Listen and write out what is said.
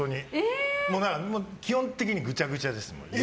基本的にぐちゃぐちゃです。